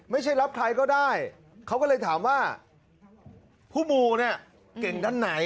ไม่ใช่รับใครก็ได้เขาก็เลยถามว่าผู้มูเนี่ยเก่งด้านไหน